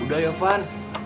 udah ya van